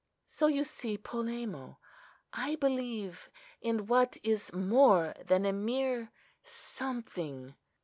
So you see, Polemo, I believe in what is more than a mere 'something.